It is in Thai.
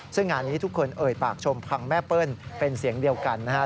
ซึ่งงานนี้ทุกคนเอ่ยปากชมพังแม่เปิ้ลเป็นเสียงเดียวกันนะครับ